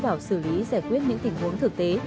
vào xử lý giải quyết những tình huống thực tế